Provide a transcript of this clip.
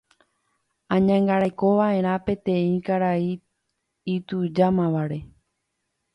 Añangarekova'erã peteĩ karai itujámavare.